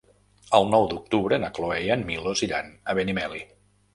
El nou d'octubre na Cloè i en Milos iran a Benimeli.